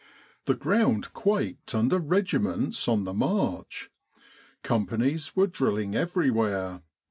The ground quaked under regiments on the march. Companies were drilling everywhere.